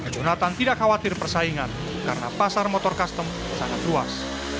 jonathan tidak khawatir persaingan karena pasar motor custom sangat luas